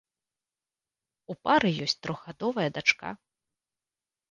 У пары ёсць трохгадовая дачка.